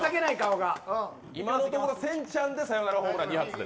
今のところ、せんちゃんでサヨナラホームラン。